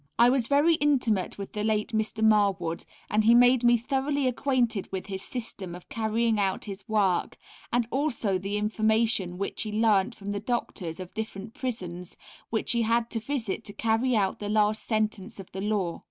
I was very intimate with the late Mr. Marwood, and he made me thoroughly acquainted with his system of carrying out his work, and also the information which he learnt from the Doctors of different Prisons which he had to visit to carry out the last sentence of the law.